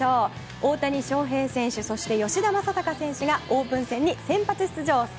大谷翔平選手、吉田正尚選手がオープン戦に先発出場。